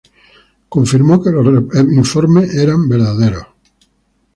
Él confirmó que los reportes eran verdaderos.